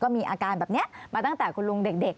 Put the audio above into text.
มีอาการแบบนี้มาตั้งแต่คุณลุงเด็ก